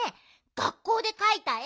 学校でかいたえ